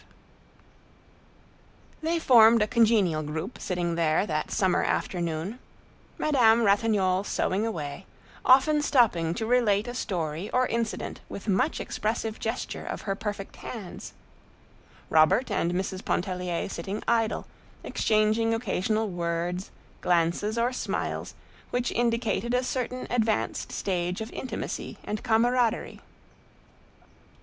V They formed a congenial group sitting there that summer afternoon—Madame Ratignolle sewing away, often stopping to relate a story or incident with much expressive gesture of her perfect hands; Robert and Mrs. Pontellier sitting idle, exchanging occasional words, glances or smiles which indicated a certain advanced stage of intimacy and camaraderie.